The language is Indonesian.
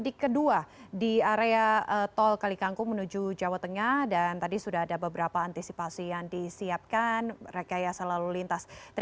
maka kita memudikan keadaan yang dari jepang tol kali kangkong semarang